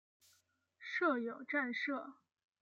设有站舍。